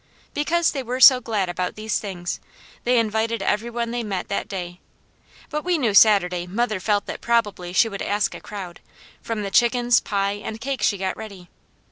Because they were so glad about these things, they invited every one they met that day; but we knew Saturday mother felt that probably she would ask a crowd, from the chickens, pie, and cake she got ready.